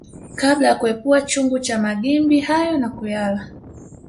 Kabla ya kuepua chungu cha magimbi hayo na kuyala